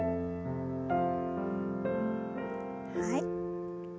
はい。